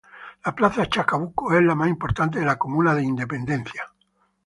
La Plaza Chacabuco es la más importante de la comuna de Independencia.